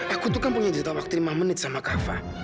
aku tuh kan punya cerita waktu lima menit sama kava